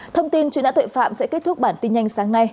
thông tin chuyên đã tội phạm sẽ kết thúc bản tin nhanh sáng nay